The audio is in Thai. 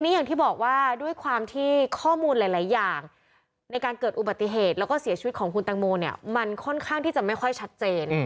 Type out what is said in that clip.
อย่างที่บอกว่าด้วยความที่ข้อมูลหลายอย่างในการเกิดอุบัติเหตุแล้วก็เสียชีวิตของคุณแตงโมเนี่ยมันค่อนข้างที่จะไม่ค่อยชัดเจน